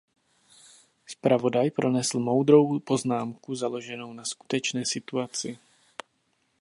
Zpravodaj pronesl moudrou poznámku založenou na skutečné situaci.